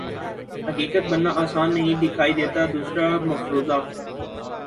حقیقت بننا آسان نہیں دکھائی دیتا دوسرا مفروضہ